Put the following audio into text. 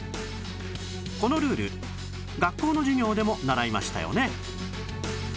このルール学校の授業でも習いましたよね